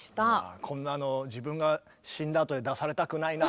こんなの自分が死んだあとに出されたくないな。